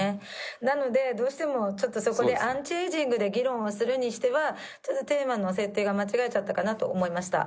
なのでどうしてもちょっとそこでアンチエイジングで議論をするにしてはちょっとテーマの設定が間違えちゃったかなと思いました。